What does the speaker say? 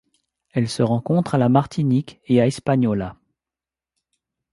Elle se rencontre à la Martinique et à Hispaniola.